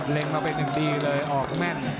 เล่นมาเป็นหนึ่งดีเลยออกแม่น